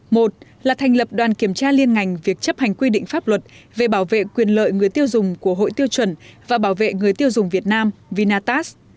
một là thành lập đoàn kiểm tra liên ngành việc chấp hành quy định pháp luật về bảo vệ quyền lợi người tiêu dùng của hội tiêu chuẩn và bảo vệ người tiêu dùng việt nam vinatast